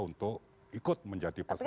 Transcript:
untuk ikut menjadi peserta